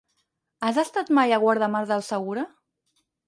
Has estat mai a Guardamar del Segura?